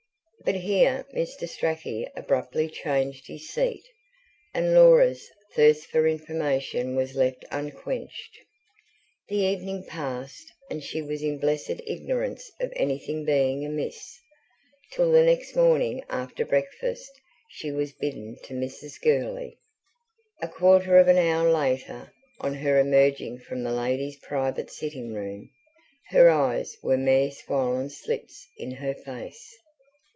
But here Mr. Strachey abruptly changed his seat, and Laura's thirst for information was left unquenched. The evening passed, and she was in blessed ignorance of anything being amiss, till the next morning after breakfast she was bidden to Mrs. Gurley. A quarter of an hour later, on her emerging from that lady's private sitting room, her eyes were mere swollen slits in her face.